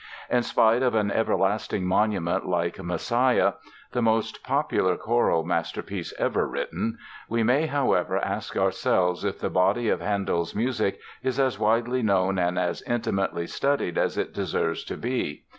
In spite of an everlasting monument like "Messiah," the most popular choral masterpiece ever written, we may, however, ask ourselves if the body of Handel's music is as widely known and as intimately studied as it deserves to be.